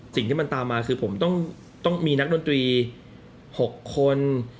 สิ่งที่มันตามมาคือผมต้องมีนักดนตรี๖คน